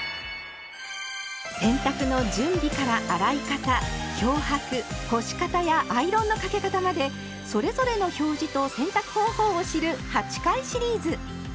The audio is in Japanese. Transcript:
洗濯の準備から洗い方漂白干し方やアイロンのかけ方までそれぞれの表示と洗濯方法を知る８回シリーズ。